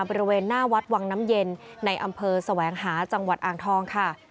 บริเวณหน้าวัดวังน้ำเย็นในอำเภอแสวงหาจังหวัดอ่างทองค่ะ